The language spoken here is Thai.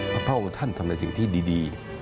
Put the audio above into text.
พระองค์ท่านทำในสิ่งที่ดี